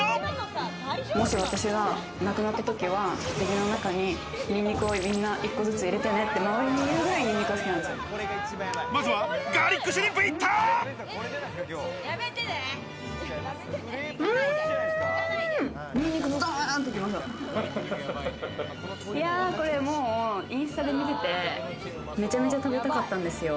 もし私が亡くなった時はひつぎの中にニンニクをみんな１個ずつ入れてねって、周りにいうぐらいニンニクが好きなんですよ。